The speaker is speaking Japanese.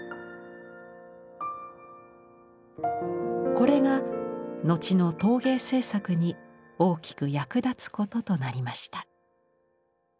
これが後の陶芸制作に大きく役立つこととなりました。